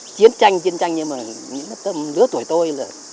chiến tranh chiến tranh nhưng mà lứa tuổi tôi là